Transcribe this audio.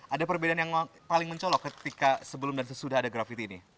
ada perbedaan yang paling mencolok ketika sebelum dan sesudah ada grafiti ini